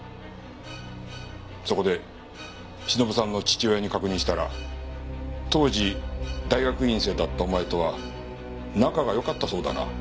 そこで忍さんの父親に確認したら当時大学院生だったお前とは仲がよかったそうだな。